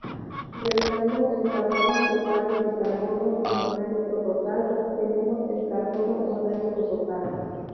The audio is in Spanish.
Restando el Carbono total del Carbono inorgánico total obtenemos el Carbono orgánico total.